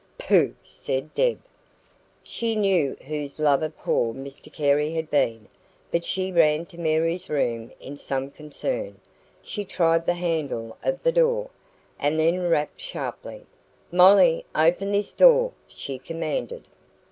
"Pooh!" said Deb. SHE knew whose lover poor Mr Carey had been. But she ran to Mary's room in some concern. She tried the handle of the door, and then rapped sharply. "Molly, open this door!" she commanded.